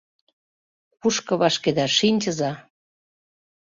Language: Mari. — Кушко вашкеда, шинчыза!